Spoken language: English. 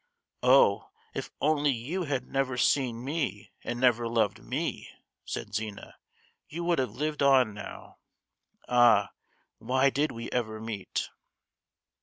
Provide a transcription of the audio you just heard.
"Oh, if only you had never seen me and never loved me," said Zina, "you would have lived on now! Ah, why did we ever meet?"